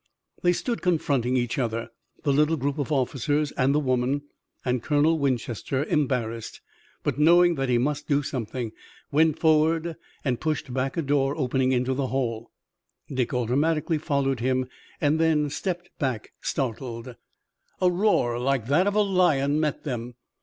They stood confronting each other, the little group of officers and the woman, and Colonel Winchester, embarrassed, but knowing that he must do something, went forward and pushed back a door opening into the hall. Dick automatically followed him, and then stepped back, startled. A roar like that of a lion met them.